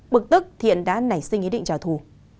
bực tức thiện đã nảy sinh ý định trả thù